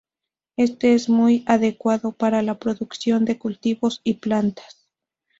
Este es muy adecuado para la producción de cultivos y plantas.